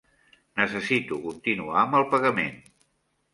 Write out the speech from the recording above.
Necessito continuar amb el pagament.